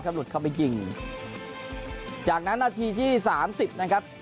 หลุดเข้าไปยิงจากนั้นนาทีที่สามสิบนะครับ